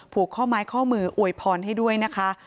ผูกข้อไม้ข้อมืออวยพรให้ด้วยนะคะ